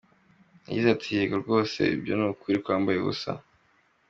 Yagize ati "Yego rwose, ibyo ni ukuri kwambaye ubusa.